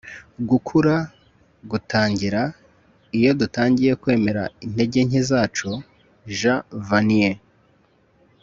gukura gutangira iyo dutangiye kwemera intege nke zacu - jean vanier